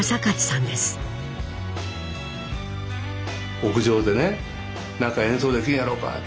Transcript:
屋上でね何か演奏できんやろうかって。